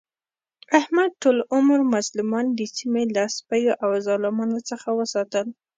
احمد ټول عمر مظلومان د سیمې له سپیو او ظالمانو څخه وساتل.